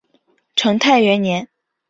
成泰元年。